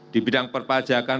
di bidang perpajakan